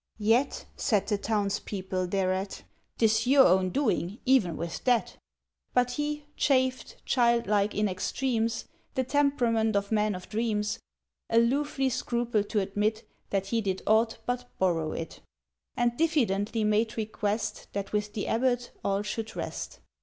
"Yet," said the townspeople thereat, "'Tis your own doing, even with that!" But he—chafed, childlike, in extremes— The temperament of men of dreams— Aloofly scrupled to admit That he did aught but borrow it, And diffidently made request That with the abbot all should rest.